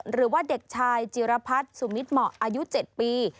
หรือว่าเด็กชายจิรพัฒน์สุมิตรเหมาะอายุ๗ปี